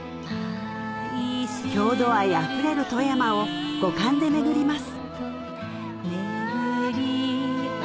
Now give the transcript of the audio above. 郷土愛あふれる富山を五感で巡ります